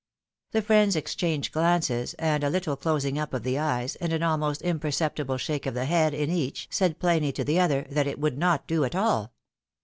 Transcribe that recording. The friends exchanged glances and a little closing up of the eyes, and an almost imperceptible shake of the head in each, said plainly to the other that it would not do at all.